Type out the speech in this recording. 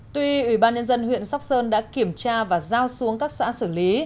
tuy ủy ban nhân dân huyện sóc sơn đã kiểm tra và giao xuống các xã xử lý